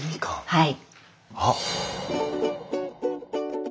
はい。